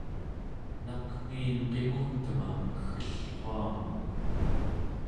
nakmiin qimugtema keggellruanga